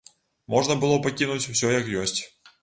Можна было пакінуць усё як ёсць.